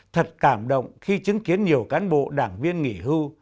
thật cảm động khi chứng kiến nhiều cán bộ đảng viên nghỉ hưu